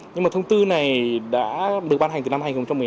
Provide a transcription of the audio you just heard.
nhưng mà thông tư này đã được ban hành từ năm hai nghìn một mươi tám